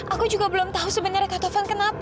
aku juga belum tahu sebenarnya taufan kenapa